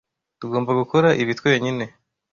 Tugomba gukora ibi twenyine.